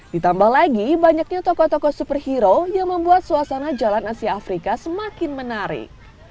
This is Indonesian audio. ditambah lagi banyaknya tokoh tokoh superhero yang membuat suasana jalan asia afrika semakin menarik